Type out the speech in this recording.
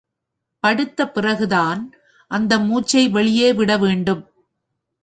படுத்த பிறகு தான் அந்த மூச்சை வெளியே விட வேண்டும்.